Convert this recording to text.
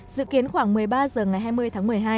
dự kiến khoảng một mươi ba h ngày hai mươi tháng một mươi hai